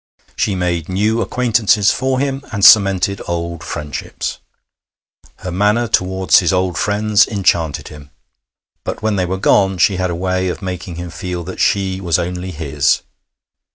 She made new acquaintances for him, and cemented old friendships. Her manner towards his old friends enchanted him; but when they were gone she had a way of making him feel that she was only his.